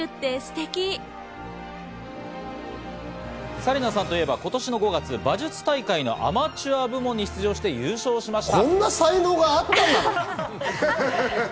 紗理奈さんといえば今年５月、馬術大会のアマチュア部門に出場し優勝しました。